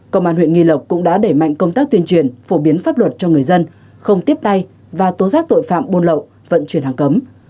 công an huyện nghi lộc cũng đã đẩy mạnh công tác tuyên truyền phổ biến pháp luật cho người dân không tiếp tay và tố giác tội phạm buôn lậu vận chuyển hàng cấm